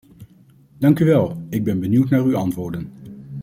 Dank u wel, ik ben benieuwd naar uw antwoorden.